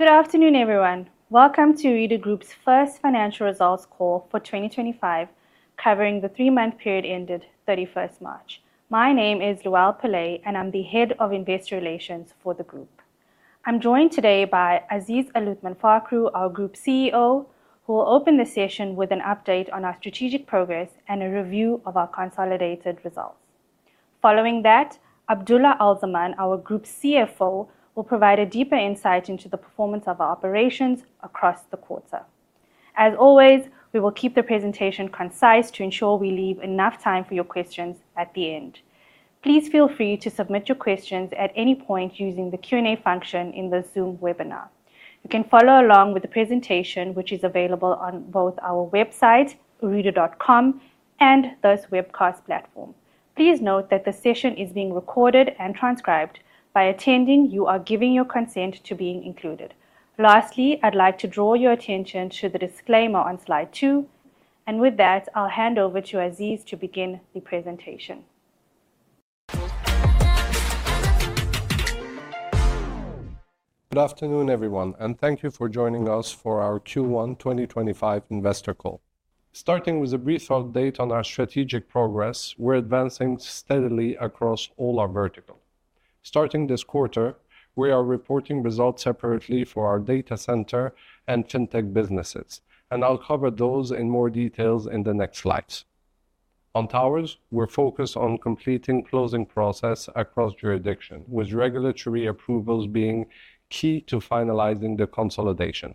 Good afternoon, everyone. Welcome to Ooredoo Group's first financial results call for 2025, covering the three-month period ended 31 March. My name is Luelle Pillay, and I'm the Head of Investor Relations for the Group. I'm joined today by Aziz Aluthman Fakhroo, our Group CEO, who will open the session with an update on our strategic progress and a review of our consolidated results. Following that, Abdulla Al-Zaman, our Group CFO, will provide a deeper insight into the performance of our operations across the quarter. As always, we will keep the presentation concise to ensure we leave enough time for your questions at the end. Please feel free to submit your questions at any point using the Q&A function in the Zoom webinar. You can follow along with the presentation, which is available on both our website, ooredoo.com, and the webcast platform. Please note that the session is being recorded and transcribed. By attending, you are giving your consent to being included. Lastly, I'd like to draw your attention to the disclaimer on slide two, and with that, I'll hand over to Aziz to begin the presentation. Good afternoon, everyone, and thank you for joining us for our Q1 2025 investor call. Starting with a brief update on our strategic progress, we are advancing steadily across all our verticals. Starting this quarter, we are reporting results separately for our data center and fintech businesses, and I will cover those in more detail in the next slides. On towers, we are focused on completing the closing process across jurisdictions, with regulatory approvals being key to finalizing the consolidation.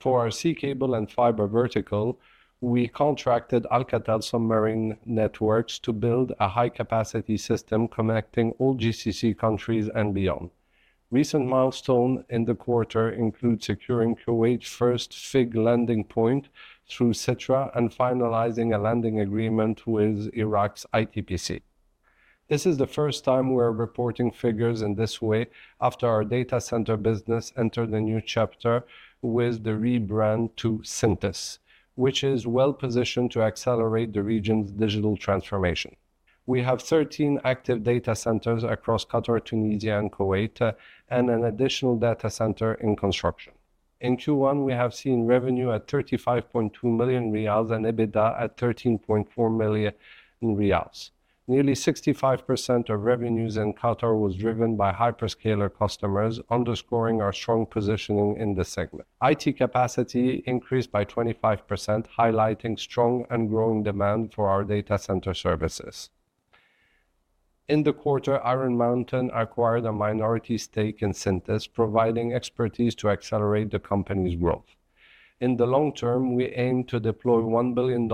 For our sea cable and fiber vertical, we contracted Alcatel Submarine Networks to build a high-capacity system connecting all GCC countries and beyond. Recent milestones in the quarter include securing Kuwait's first fig landing point through Sitra and finalizing a landing agreement with Iraq's ITPC. This is the first time we're reporting figures in this way after our data center business entered a new chapter with the rebrand to Syntys, which is well-positioned to accelerate the region's digital transformation. We have 13 active data centers across Qatar, Tunisia, and Kuwait, and an additional data center in construction. In Q1, we have seen revenue at 35.2 million riyals and EBITDA at 13.4 million riyals. Nearly 65% of revenues in Qatar were driven by hyperscaler customers, underscoring our strong positioning in the segment. IT capacity increased by 25%, highlighting strong and growing demand for our data center services. In the quarter, Iron Mountain acquired a minority stake in Syntys, providing expertise to accelerate the company's growth. In the long term, we aim to deploy $1 billion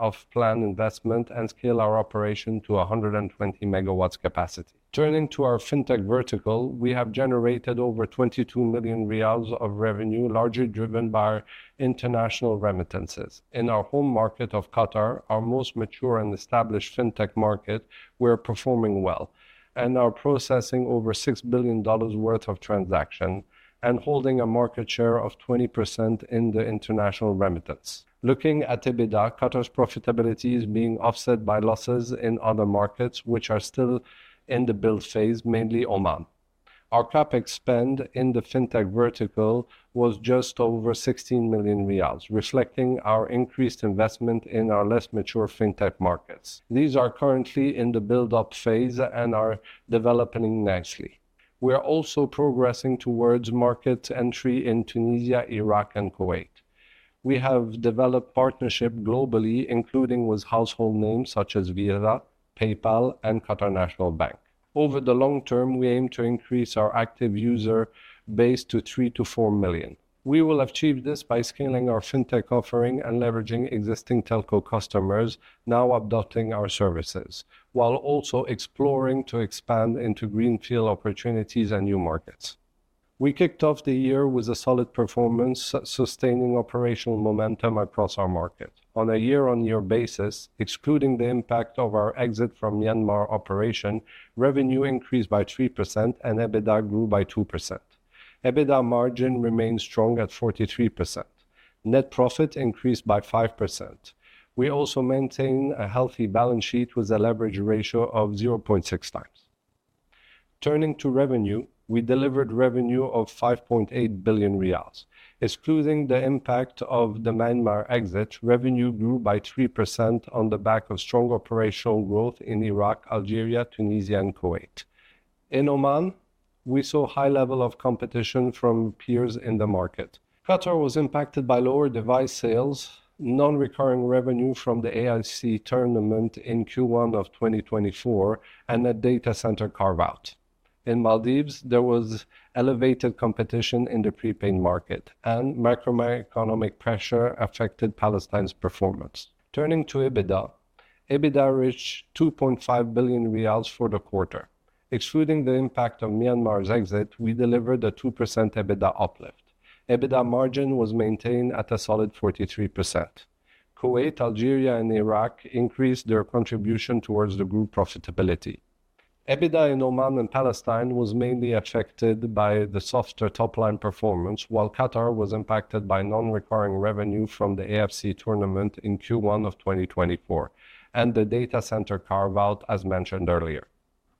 of planned investment and scale our operation to 120 megawatts capacity. Turning to our fintech vertical, we have generated over 22 million riyals of revenue, largely driven by international remittances. In our home market of Qatar, our most mature and established fintech market, we're performing well, and are processing over $6 billion worth of transactions and holding a market share of 20% in the international remittance. Looking at EBITDA, Qatar's profitability is being offset by losses in other markets, which are still in the build phase, mainly Oman. Our CapEx spend in the fintech vertical was just over 16 million riyals, reflecting our increased investment in our less mature fintech markets. These are currently in the build-up phase and are developing nicely. We are also progressing towards market entry in Tunisia, Iraq, and Kuwait. We have developed partnerships globally, including with household names such as Visa, PayPal, and Qatar National Bank. Over the long term, we aim to increase our active user base to 3 million-4 million. We will achieve this by scaling our fintech offering and leveraging existing telco customers, now adopting our services, while also exploring to expand into greenfield opportunities and new markets. We kicked off the year with a solid performance, sustaining operational momentum across our market. On a year-on-year basis, excluding the impact of our exit from Myanmar operation, revenue increased by 3% and EBITDA grew by 2%. EBITDA margin remained strong at 43%. Net profit increased by 5%. We also maintain a healthy balance sheet with a leverage ratio of 0.6 times. Turning to revenue, we delivered revenue of 5.8 billion riyals. Excluding the impact of the Myanmar exit, revenue grew by 3% on the back of strong operational growth in Iraq, Algeria, Tunisia, and Kuwait. In Oman, we saw a high level of competition from peers in the market. Qatar was impacted by lower device sales, non-recurring revenue from the AFC tournament in Q1 of 2024, and a data center carve-out. In Maldives, there was elevated competition in the prepaid market, and macroeconomic pressure affected Palestine's performance. Turning to EBITDA, EBITDA reached 2.5 billion riyals for the quarter. Excluding the impact of Myanmar's exit, we delivered a 2% EBITDA uplift. EBITDA margin was maintained at a solid 43%. Kuwait, Algeria, and Iraq increased their contribution towards the group profitability. EBITDA in Oman and Palestine was mainly affected by the softer top-line performance, while Qatar was impacted by non-recurring revenue from the AFC tournament in Q1 of 2024 and the data center carve-out, as mentioned earlier.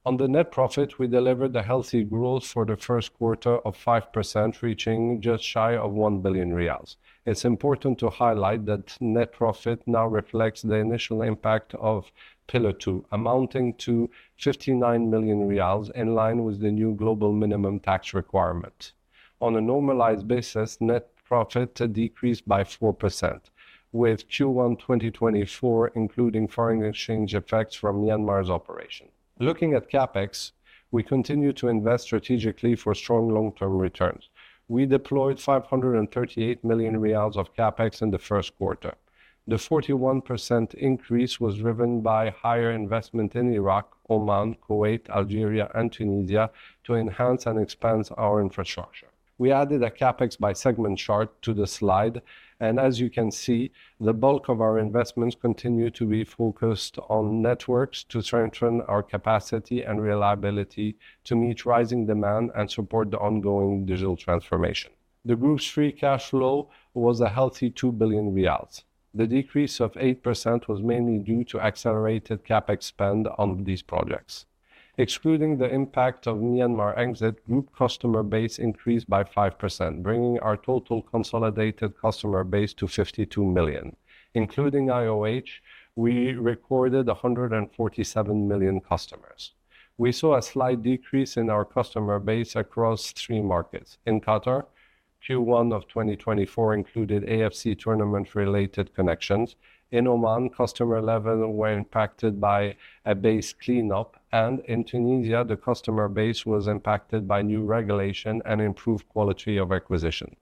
On the net profit, we delivered a healthy growth for the first quarter of 5%, reaching just shy of 1 billion riyals. It's important to highlight that net profit now reflects the initial impact of Pillar 2, amounting to 59 million riyals in line with the new global minimum tax requirement. On a normalized basis, net profit decreased by 4%, with Q1 2024 including foreign exchange effects from Myanmar's operation. Looking at CapEx, we continue to invest strategically for strong long-term returns. We deployed 538 million riyals of CapEx in the first quarter. The 41% increase was driven by higher investment in Iraq, Oman, Kuwait, Algeria, and Tunisia to enhance and expand our infrastructure. We added a CapEx by segment chart to the slide, and as you can see, the bulk of our investments continue to be focused on networks to strengthen our capacity and reliability to meet rising demand and support the ongoing digital transformation. The Group's free cash flow was a healthy 2 billion riyals. The decrease of 8% was mainly due to accelerated CapEx spend on these projects. Excluding the impact of Myanmar exit, group customer base increased by 5%, bringing our total consolidated customer base to 52 million. Including IOH, we recorded 147 million customers. We saw a slight decrease in our customer base across three markets. In Qatar, Q1 of 2024 included AFC tournament-related connections. In Oman, customer levels were impacted by a base cleanup, and in Tunisia, the customer base was impacted by new regulation and improved quality of acquisition.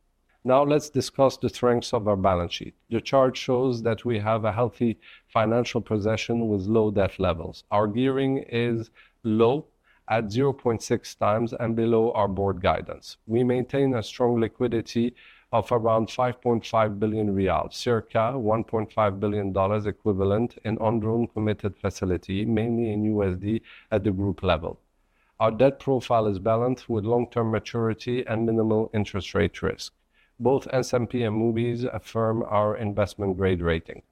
Now let's discuss the strengths of our balance sheet. The chart shows that we have a healthy financial position with low debt levels. Our gearing is low at 0.6 times and below our board guidance. We maintain a strong liquidity of around 5.5 billion riyals, circa $1.5 billion equivalent in undrawn committed facility, mainly in USD at the group level. Our debt profile is balanced with long-term maturity and minimal interest rate risk. Both S&P and Moody's affirm our investment-grade rating.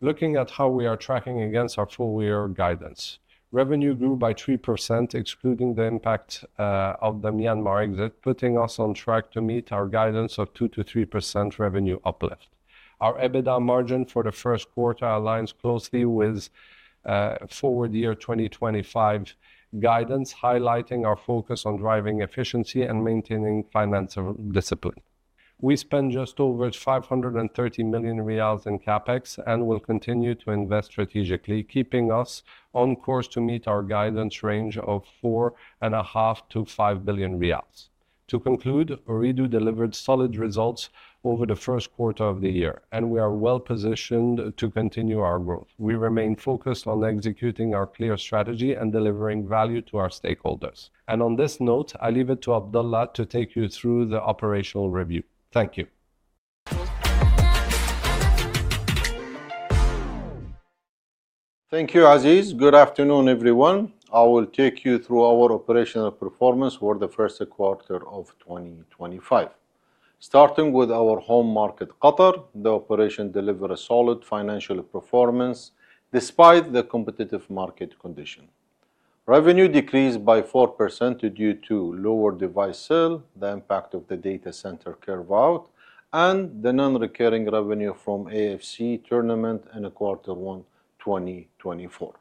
Looking at how we are tracking against our four-year guidance, revenue grew by 3%, excluding the impact of the Myanmar exit, putting us on track to meet our guidance of 2 billion-3 billion revenue uplift. Our EBITDA margin for the first quarter aligns closely with full-year 2025 guidance, highlighting our focus on driving efficiency and maintaining financial discipline. We spend just over QAR 530 million in CapEx and will continue to invest strategically, keeping us on course to meet our guidance range of 4.5 billion-5 billion riyals. To conclude, Ooredoo delivered solid results over the first quarter of the year, and we are well-positioned to continue our growth. We remain focused on executing our clear strategy and delivering value to our stakeholders. On this note, I leave it to Abdulla to take you through the operational review. Thank you. Thank you, Aziz. Good afternoon, everyone. I will take you through our operational performance for the first quarter of 2025. Starting with our home market, Qatar, the operation delivered a solid financial performance despite the competitive market condition. Revenue decreased by 4% due to lower device sales, the impact of the data center carve-out, and the non-recurring revenue from AFC tournament in Q1 2024.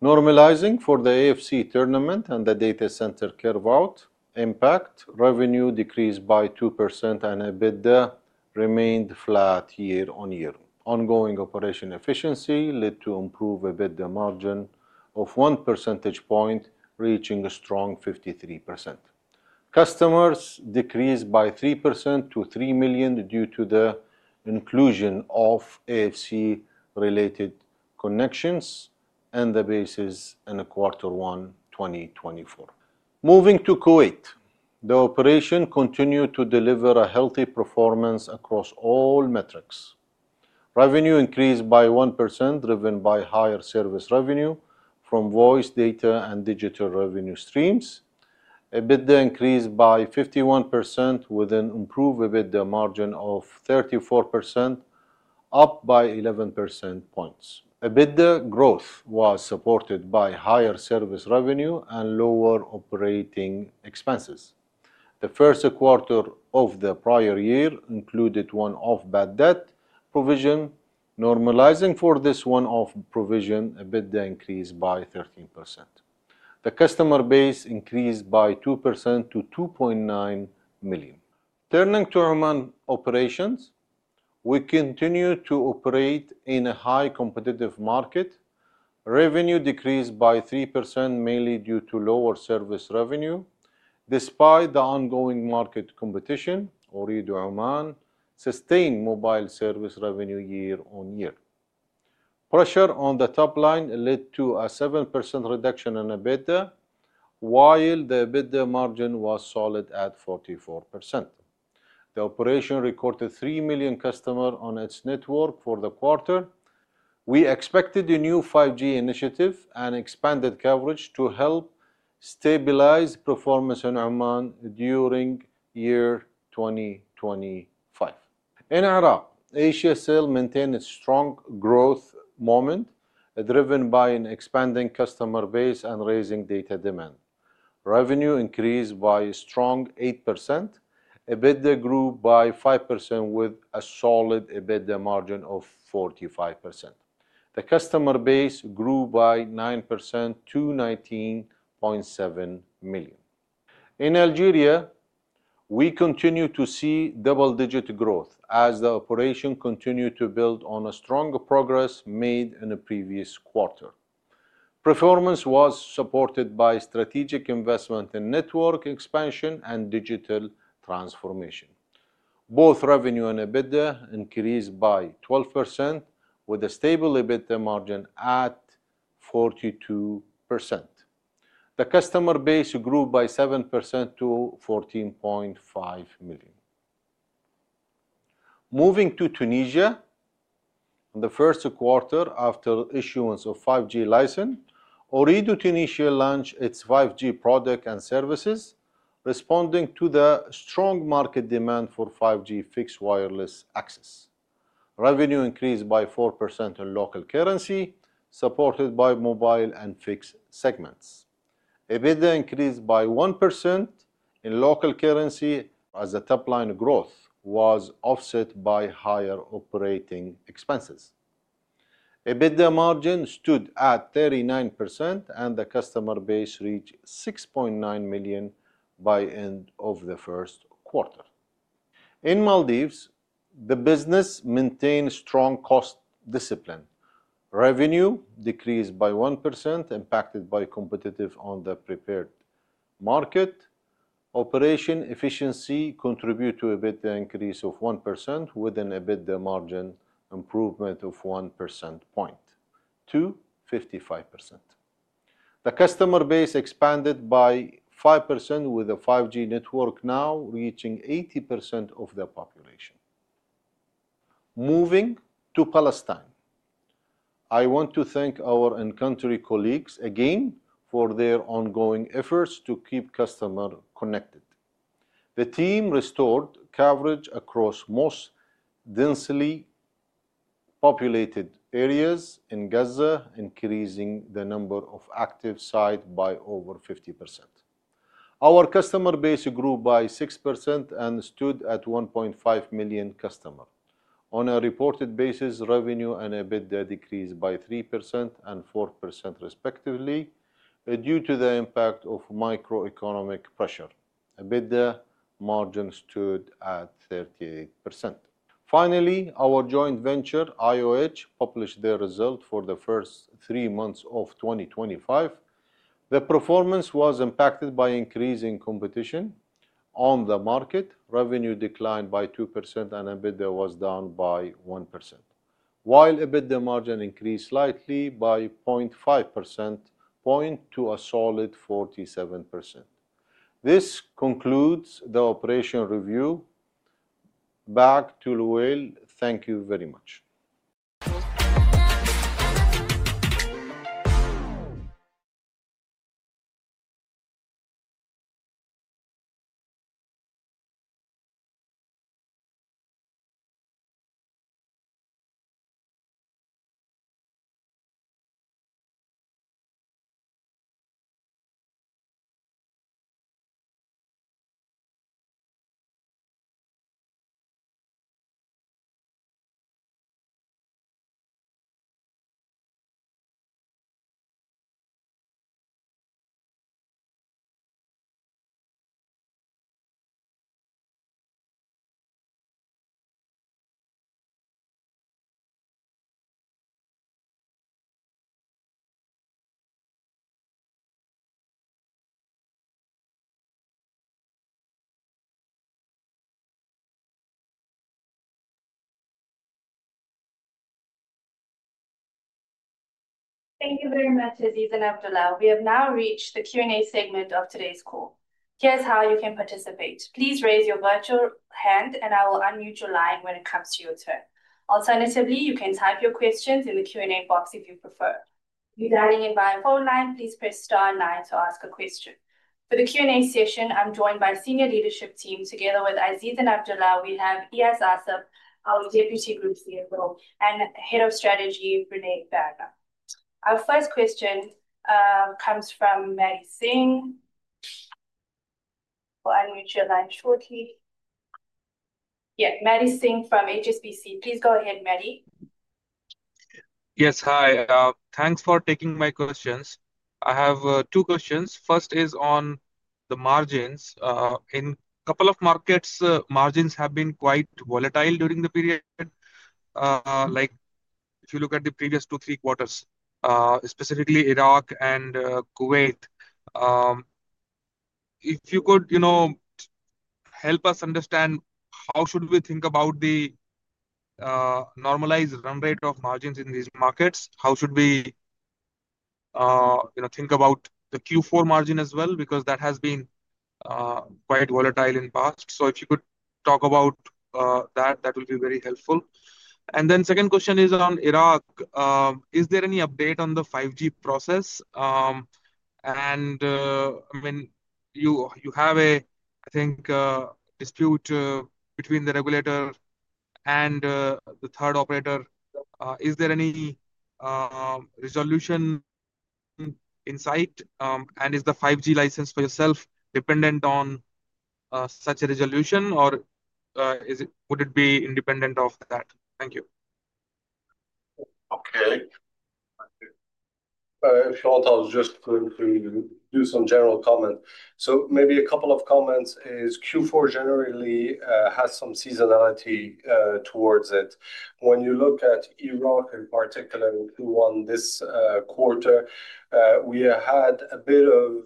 Normalizing for the AFC tournament and the data center carve-out impact, revenue decreased by 2%, and EBITDA remained flat year on year. Ongoing operational efficiency led to an improved EBITDA margin of one percentage point, reaching a strong 53%. Customers decreased by 3% to 3 million due to the inclusion of AFC-related connections and the basis in Q1 2024. Moving to Kuwait, the operation continued to deliver a healthy performance across all metrics. Revenue increased by 1%, driven by higher service revenue from voice, data, and digital revenue streams. EBITDA increased by 51% with an improved EBITDA margin of 34%, up by 11 percentage points. EBITDA growth was supported by higher service revenue and lower operating expenses. The first quarter of the prior year included one-off bad debt provision. Normalizing for this one-off provision, EBITDA increased by 13%. The customer base increased by 2% to 2.9 million. Turning to Oman operations, we continue to operate in a high-competitive market. Revenue decreased by 3%, mainly due to lower service revenue. Despite the ongoing market competition, Ooredoo Oman sustained mobile service revenue year on year. Pressure on the top line led to a 7% reduction in EBITDA, while the EBITDA margin was solid at 44%. The operation recorded 3 million customers on its network for the quarter. We expected a new 5G initiative and expanded coverage to help stabilize performance in Oman during year 2025. In Iraq, Asiacell maintained a strong growth moment, driven by an expanding customer base and rising data demand. Revenue increased by a strong 8%. EBITDA grew by 5% with a solid EBITDA margin of 45%. The customer base grew by 9% to 19.7 million. In Algeria, we continue to see double-digit growth as the operation continued to build on a stronger progress made in the previous quarter. Performance was supported by strategic investment in network expansion and digital transformation. Both revenue and EBITDA increased by 12%, with a stable EBITDA margin at 42%. The customer base grew by 7% to 14.5 million. Moving to Tunisia, in the first quarter after issuance of the 5G license, Ooredoo Tunisia launched its 5G product and services, responding to the strong market demand for 5G fixed wireless access. Revenue increased by 4% in local currency, supported by mobile and fixed segments. EBITDA increased by 1% in local currency as the top-line growth was offset by higher operating expenses. EBITDA margin stood at 39%, and the customer base reached 6.9 million by the end of the first quarter. In Maldives, the business maintained strong cost discipline. Revenue decreased by 1%, impacted by competition on the prepaid market. Operational efficiency contributed to EBITDA increase of 1%, with an EBITDA margin improvement of 1 percentage point to 55%. The customer base expanded by 5%, with the 5G network now reaching 80% of the population. Moving to Palestine, I want to thank our in-country colleagues again for their ongoing efforts to keep customers connected. The team restored coverage across most densely populated areas in Gaza, increasing the number of active sites by over 50%. Our customer base grew by 6% and stood at 1.5 million customers. On a reported basis, revenue and EBITDA decreased by 3% and 4% respectively due to the impact of macroeconomic pressure. EBITDA margin stood at 38%. Finally, our joint venture, IOH, published their results for the first three months of 2025. The performance was impacted by increasing competition on the market. Revenue declined by 2%, and EBITDA was down by 1%, while EBITDA margin increased slightly by 0.5 percentage point to a solid 47%. This concludes the operational review. Back to Luelle. Thank you very much. Thank you very much, Aziz and Abdulla. We have now reached the Q&A segment of today's call. Here's how you can participate. Please raise your virtual hand, and I will unmute your line when it comes to your turn. Alternatively, you can type your questions in the Q&A box if you prefer. If you're dialing in via phone line, please press star nine to ask a question. For the Q&A session, I'm joined by the senior leadership team. Together with Aziz and Abdulla, we have Iyas Assaf, our Deputy Group CFO, and Head of Strategy, René Werner. Our first question comes from Maddy Singh. We'll unmute your line shortly. Yeah, Maddy Singh from HSBC. Please go ahead, Maddie. Yes, hi. Thanks for taking my questions. I have two questions. First is on the margins. In a couple of markets, margins have been quite volatile during the period. Like, if you look at the previous two, three quarters, specifically Iraq and Kuwait, if you could, you know, help us understand how should we think about the normalized run rate of margins in these markets? How should we, you know, think about the Q4 margin as well? Because that has been quite volatile in the past. If you could talk about that, that would be very helpful. The second question is on Iraq. Is there any update on the 5G process? I mean, you have a, I think, dispute between the regulator and the third operator. Is there any resolution in sight? Is the 5G license for yourself dependent on such a resolution, or is it, would it be independent of that? Thank you. Okay. If you want, I was just going to do some general comments. Maybe a couple of comments is Q4 generally has some seasonality towards it. When you look at Iraq in particular, Q1 this quarter, we had a bit of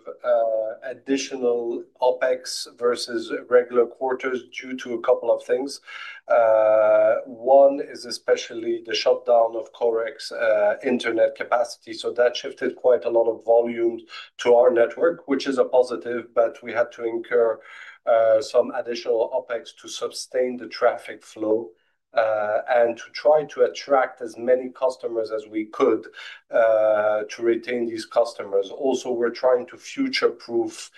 additional OPEX versus regular quarters due to a couple of things. One is especially the shutdown of Korek internet capacity. That shifted quite a lot of volume to our network, which is a positive, but we had to incur some additional OPEX to sustain the traffic flow, and to try to attract as many customers as we could to retain these customers. Also, we're trying to future-proof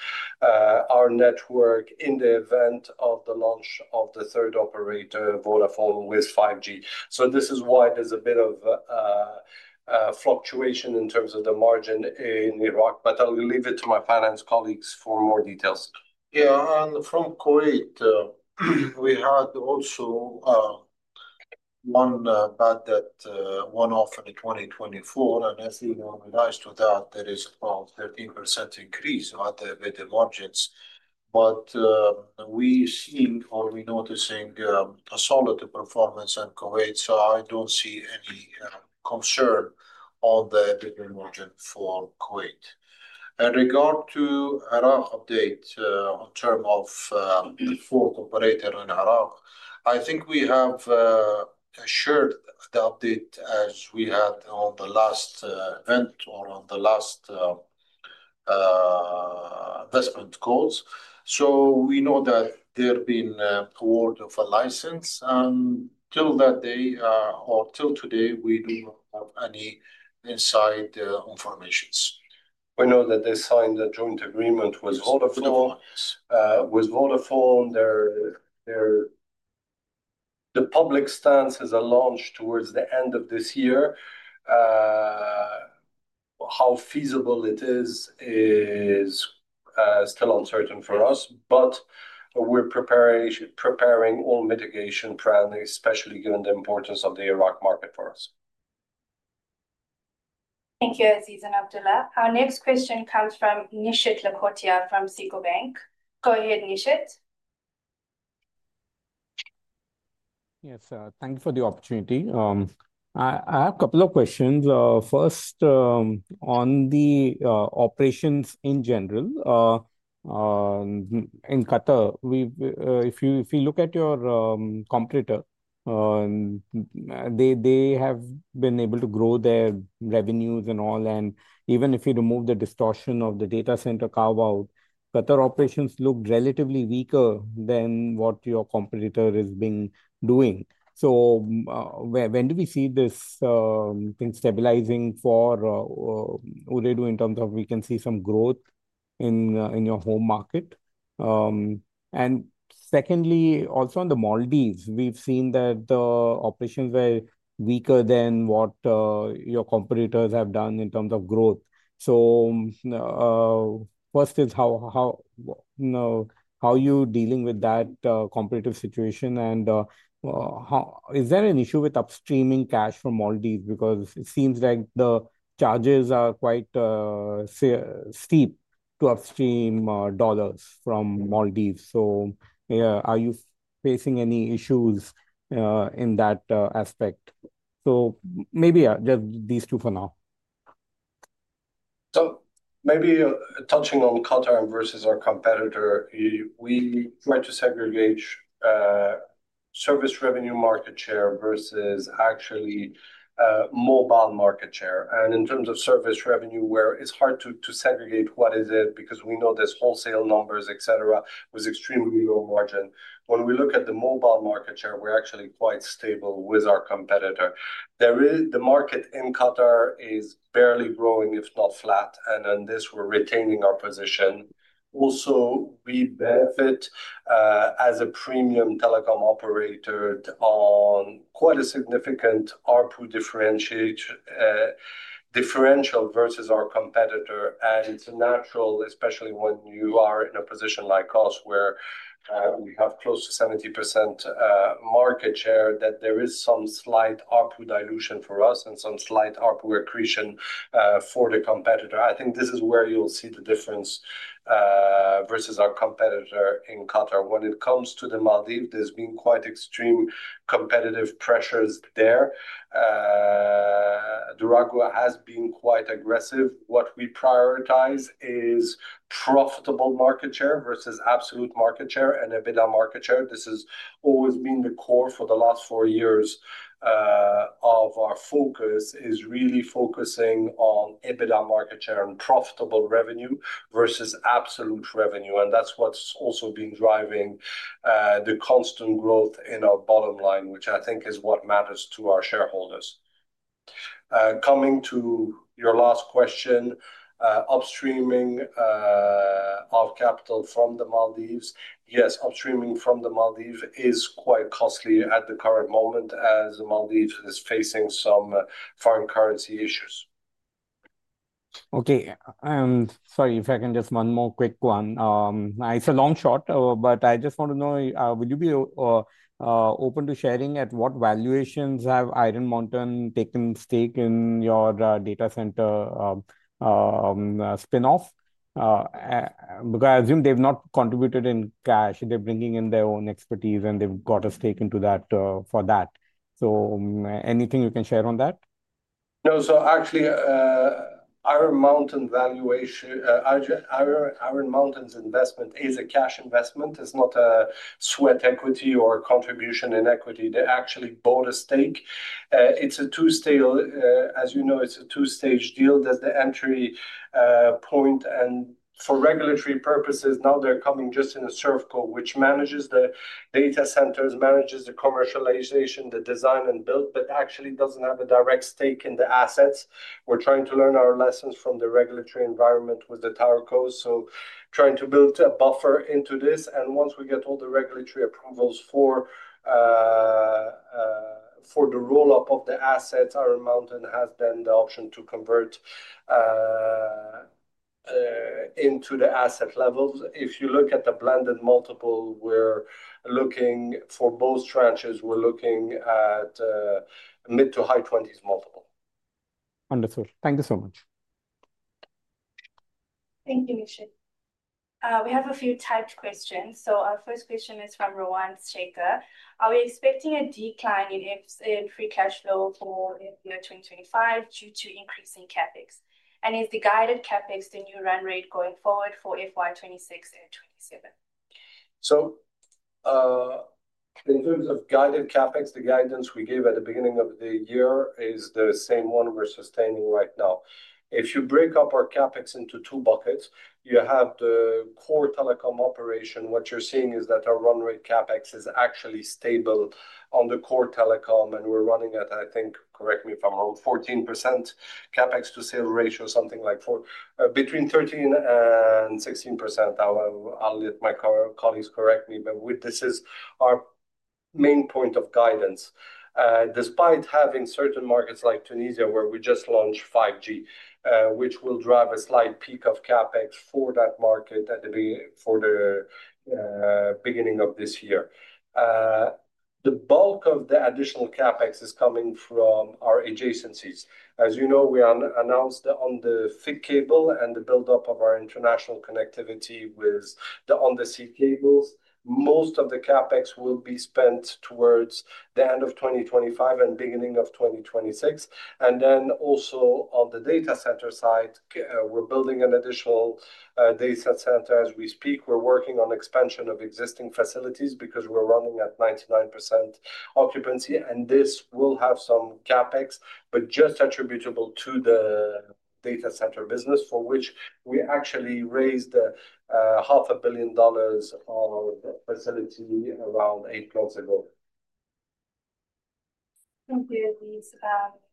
our network in the event of the launch of the third operator, Vodafone, with 5G. This is why there's a bit of fluctuation in terms of the margin in Iraq, but I'll leave it to my finance colleagues for more details. Yeah, and from Kuwait, we had also one bad debt one-off in 2024, and as you know, in regards to that, there is about a 13% increase of the EBITDA margins. We are seeing or we are noticing a solid performance in Kuwait, so I don't see any concern on the EBITDA margin for Kuwait. In regard to Iraq update, in terms of the fourth operator in Iraq, I think we have shared the update as we had on the last event or on the last investment calls. We know that there have been awards of a license, and till that day, or till today, we do not have any inside information. We know that they signed a joint agreement with Vodafone. With Vodafone, the public stance is a launch towards the end of this year. How feasible it is is still uncertain for us, but we're preparing, preparing all mitigation plan, especially given the importance of the Iraq market for us. Thank you, Aziz and Abdulla. Our next question comes from Nishit Lakhotia from SICO Bank. Go ahead, Nishit. Yes, thank you for the opportunity. I have a couple of questions. First, on the operations in general, in Qatar, we've, if you look at your competitor, they have been able to grow their revenues and all, and even if you remove the distortion of the data center carve-out, Qatar operations look relatively weaker than what your competitor is being doing. When do we see this thing stabilizing for Ooredoo in terms of we can see some growth in your home market? Secondly, also on the Maldives, we've seen that the operations were weaker than what your competitors have done in terms of growth. First is how, you know, how are you dealing with that competitive situation and how, is there an issue with upstreaming cash from Maldives? Because it seems like the charges are quite steep to upstream dollars from Maldives. Yeah, are you facing any issues in that aspect? Maybe, yeah, just these two for now. Maybe touching on Qatar versus our competitor, we try to segregate service revenue market share versus actually mobile market share. In terms of service revenue, where it's hard to segregate what it is, because we know there are wholesale numbers, etc., with extremely low margin. When we look at the mobile market share, we're actually quite stable with our competitor. The market in Qatar is barely growing, if not flat, and on this we're retaining our position. Also, we benefit, as a premium telecom operator, on quite a significant ARPU differential versus our competitor. It's natural, especially when you are in a position like us, where we have close to 70% market share, that there is some slight ARPU dilution for us and some slight ARPU accretion for the competitor. I think this is where you'll see the difference, versus our competitor in Qatar. When it comes to the Maldives, there's been quite extreme competitive pressures there. Dhiraagu has been quite aggressive. What we prioritize is profitable market share versus absolute market share and EBITDA market share. This has always been the core for the last four years. Our focus is really focusing on EBITDA market share and profitable revenue versus absolute revenue. That's what's also been driving the constant growth in our bottom line, which I think is what matters to our shareholders. Coming to your last question, upstreaming of capital from the Maldives. Yes, upstreaming from the Maldives is quite costly at the current moment as the Maldives is facing some foreign currency issues. Okay. Sorry, if I can just one more quick one. It's a long shot, but I just want to know, would you be open to sharing at what valuations have Iron Mountain taken stake in your data center spinoff? Because I assume they've not contributed in cash. They're bringing in their own expertise and they've got a stake into that for that. Anything you can share on that? No, so actually, Iron Mountain valuation, Iron, Iron Mountain's investment is a cash investment. It's not a sweat equity or contribution in equity. They actually bought a stake. It's a two-stage, as you know, it's a two-stage deal. There's the entry point and for regulatory purposes. Now they're coming just in a ServCo, which manages the data centers, manages the commercialization, the design and build, but actually doesn't have a direct stake in the assets. We're trying to learn our lessons from the regulatory environment with the Tower Co. Trying to build a buffer into this. Once we get all the regulatory approvals for the roll-up of the assets, Iron Mountain has then the option to convert into the asset levels. If you look at the blended multiple, we're looking for both tranches. We're looking at mid to high 20s multiple. Wonderful. Thank you so much. Thank you, Nishit. We have a few typed questions. Our first question is from Rawan Shaker. Are we expecting a decline in free cash flow for the year 2025 due to increasing CapEx? Is the guided CapEx the new run rate going forward for FY 2026 and 2027? In terms of guided CapEx, the guidance we gave at the beginning of the year is the same one we're sustaining right now. If you break up our CapEx into two buckets, you have the core telecom operation. What you're seeing is that our run rate CapEx is actually stable on the core telecom, and we're running at, I think, correct me if I'm wrong, 14% CapEx to sale ratio, something like four, between 13-16%. I'll let my colleagues correct me, but this is our main point of guidance. Despite having certain markets like Tunisia where we just launched 5G, which will drive a slight peak of CapEx for that market at the beginning, for the beginning of this year, the bulk of the additional CapEx is coming from our adjacencies. As you know, we announced on the FIC cable and the buildup of our international connectivity with the on-the-seat cables. Most of the CapEx will be spent towards the end of 2025 and beginning of 2026. Also, on the data center side, we're building an additional data center as we speak. We're working on expansion of existing facilities because we're running at 99% occupancy, and this will have some CapEx, but just attributable to the data center business for which we actually raised the $500,000,000 on the facility around eight months ago. Thank you, Aziz.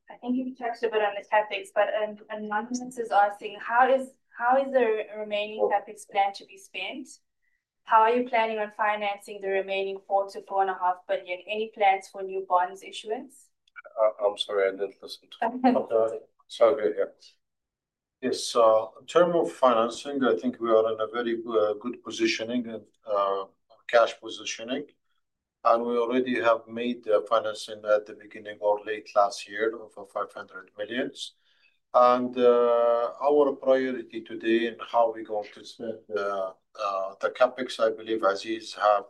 I think you've touched a bit on the CapEx, but anonymous is asking how is, how is the remaining CapEx plan to be spent? How are you planning on financing the remaining 4 billion-4.5 billion? Any plans for new bonds issuance? I'm sorry, I didn't listen to. Sorry. Okay. Yes. In terms of financing, I think we are in a very good positioning and cash positioning. We already have made the financing at the beginning or late last year of $500 million. Our priority today and how we're going to spend the CapEx, I believe Aziz has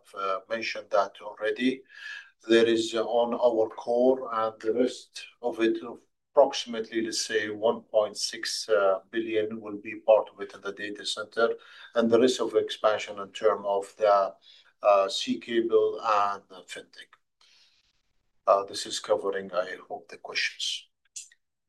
mentioned that already. There is on our core and the rest of it, approximately, let's say $1.6 billion will be part of it in the data center and the rest of the expansion in terms of the sea cable and FinTech. This is covering, I hope, the questions.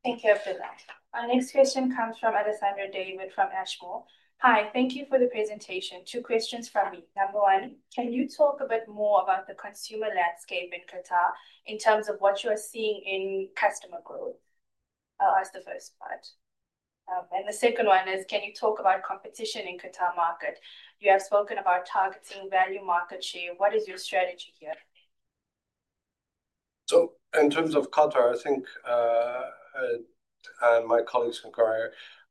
Thank you, Abdulla. Our next question comes from Alexander Davey from Ashmore. Hi, thank you for the presentation. Two questions from me. Number one, can you talk a bit more about the consumer landscape in Qatar in terms of what you are seeing in customer growth? I'll ask the first part. The second one is, can you talk about competition in the Qatar market? You have spoken about targeting value market share. What is your strategy here? In terms of Qatar, I think, and my colleagues in Qatar,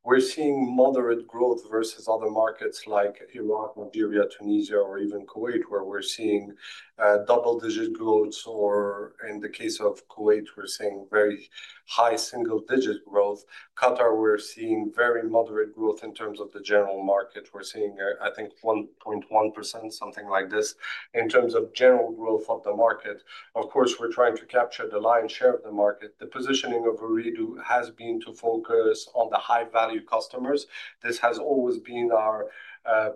we're seeing moderate growth versus other markets like Iraq, Nigeria, Tunisia, or even Kuwait where we're seeing double-digit growth, or in the case of Kuwait, we're seeing very high single-digit growth. Qatar, we're seeing very moderate growth in terms of the general market. We're seeing, I think, 1.1% or something like this in terms of general growth of the market. Of course, we're trying to capture the lion's share of the market. The positioning of Ooredoo has been to focus on the high-value customers. This has always been our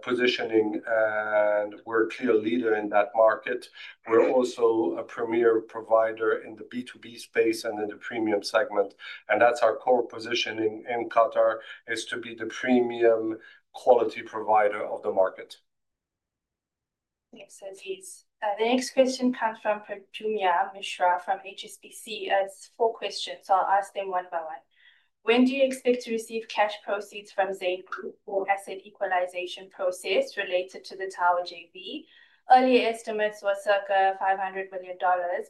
positioning, and we're a clear leader in that market. We're also a premier provider in the B2B space and in the premium segment. That's our core positioning in Qatar, to be the premium quality provider of the market. Thanks, Aziz. The next question comes from Pradyumna Mishra from HSBC. It's four questions. I'll ask them one by one. When do you expect to receive cash proceeds from Zain Group for asset equalization process related to the Tower JV? Earlier estimates were circa $500 million,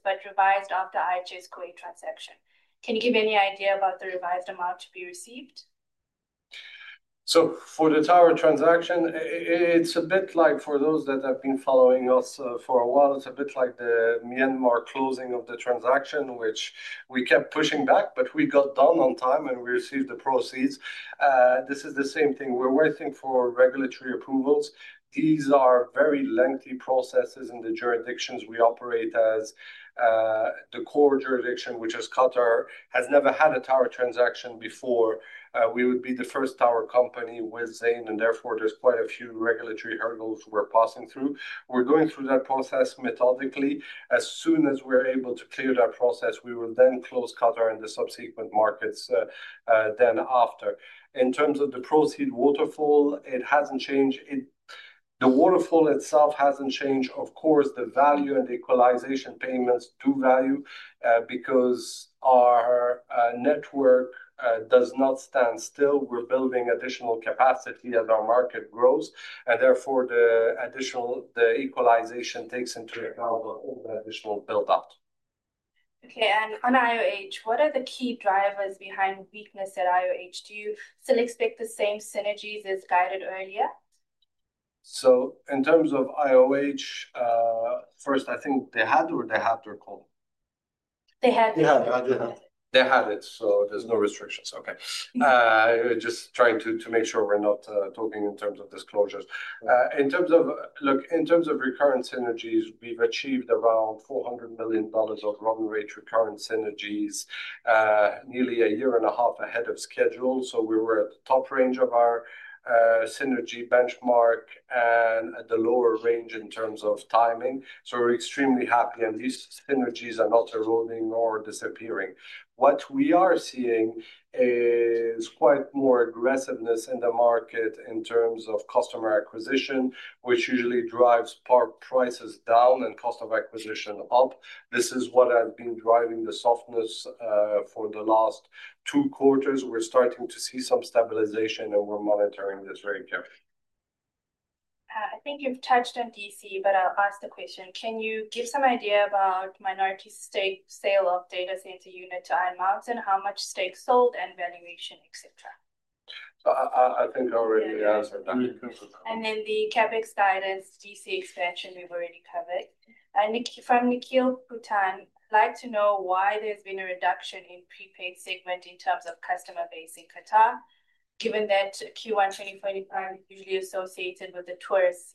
but revised after IHS Kuwait transaction. Can you give any idea about the revised amount to be received? For the Tower transaction, it's a bit like for those that have been following us for a while, it's a bit like the Myanmar closing of the transaction, which we kept pushing back, but we got done on time and we received the proceeds. This is the same thing. We're waiting for regulatory approvals. These are very lengthy processes in the jurisdictions we operate as, the core jurisdiction, which is Qatar, has never had a Tower transaction before. We would be the first Tower company with Zain, and therefore there's quite a few regulatory hurdles we're passing through. We're going through that process methodically. As soon as we're able to clear that process, we will then close Qatar and the subsequent markets, then after. In terms of the proceed waterfall, it hasn't changed. The waterfall itself hasn't changed. Of course, the value and the equalization payments do value, because our network does not stand still. We're building additional capacity as our market grows, and therefore the equalization takes into account all the additional buildup. Okay. On IOH, what are the key drivers behind weakness at IOH? Do you still expect the same synergies as guided earlier? In terms of IOH, first, I think they had their call? They had their call. They had it. There's no restrictions. Okay. Just trying to make sure we're not talking in terms of disclosures. In terms of recurrent synergies, we've achieved around $400 million of run rate recurrent synergies, nearly a year and a half ahead of schedule. We were at the top range of our synergy benchmark and at the lower range in terms of timing. We're extremely happy. These synergies are not eroding or disappearing. What we are seeing is quite more aggressiveness in the market in terms of customer acquisition, which usually drives ARPU prices down and cost of acquisition up. This is what has been driving the softness for the last two quarters. We're starting to see some stabilization, and we're monitoring this very carefully. I think you've touched on DC, but I'll ask the question. Can you give some idea about minority stake sale of data center unit to Iron Mountain? How much stake sold and valuation, et cetera? I think I already answered that. The CapEx guidance, DC expansion, we've already covered. From Nikhil Bhutani, I'd like to know why there's been a reduction in prepaid segment in terms of customer base in Qatar, given that Q1 2025 is usually associated with the tourist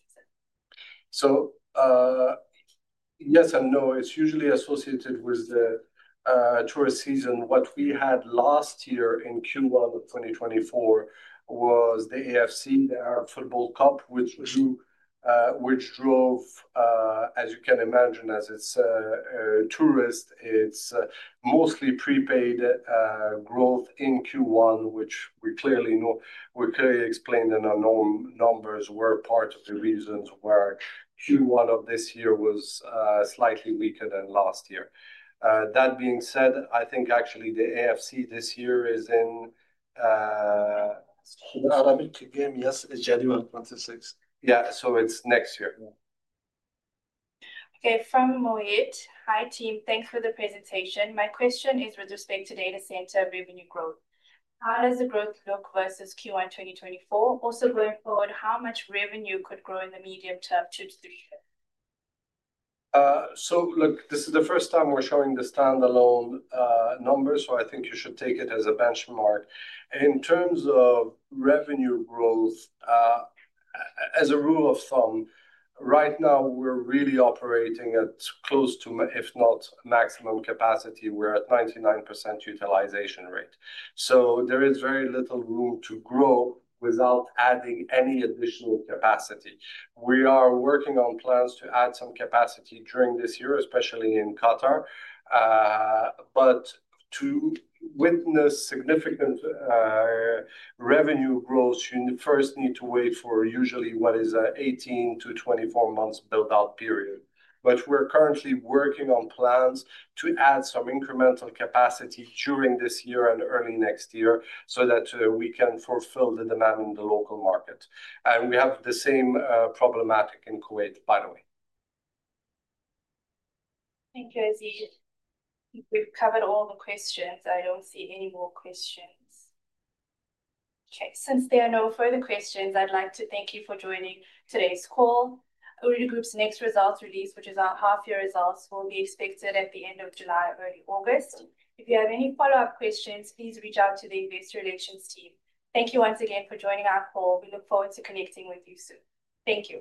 season. Yes and no. It's usually associated with the tourist season. What we had last year in Q1 of 2024 was the AFC, the Arab Football Cup, which drew, which drove, as you can imagine, as it's tourist, it's mostly prepaid, growth in Q1, which we clearly know, we clearly explained in our numbers were part of the reasons why Q1 of this year was slightly weaker than last year. That being said, I think actually the AFC this year is in, Arabic game, yes, is January 26th. Yeah. It's next year. Okay. From Moaid. Hi, team. Thanks for the presentation. My question is with respect to data center revenue growth. How does the growth look versus Q1 2024? Also going forward, how much revenue could grow in the medium term two to three years? Look, this is the first time we're showing the standalone numbers, so I think you should take it as a benchmark. In terms of revenue growth, as a rule of thumb, right now we're really operating at close to, if not maximum capacity, we're at 99% utilization rate. There is very little room to grow without adding any additional capacity. We are working on plans to add some capacity during this year, especially in Qatar. To witness significant revenue growth, you first need to wait for usually what is a 18-24 month buildup period. We're currently working on plans to add some incremental capacity during this year and early next year so that we can fulfill the demand in the local market. We have the same problematic in Kuwait, by the way. Thank you, Aziz. I think we've covered all the questions. I don't see any more questions. Okay. Since there are no further questions, I'd like to thank you for joining today's call. Ooredoo Group's next results release, which is our half-year results, will be expected at the end of July, early August. If you have any follow-up questions, please reach out to the investor relations team. Thank you once again for joining our call. We look forward to connecting with you soon. Thank you.